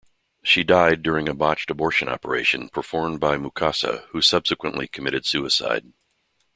She died during a botched abortion operation performed by Mukasa, who subsequently committed suicide.